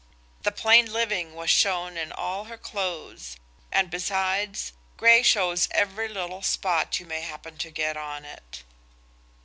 The plain living was shown in all her clothes; and besides, grey shows every little spot you may happen to get on it.